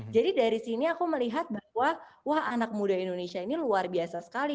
jadi dari sini aku melihat bahwa wah anak muda indonesia ini luar biasa sekali